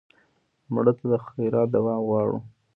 مړه ته د خیرات دوام غواړو